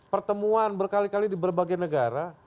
pertemuan berkali kali di berbagai negara